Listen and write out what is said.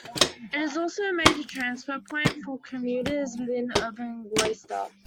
It is also a major transfer point for commuters within urban Gloucester.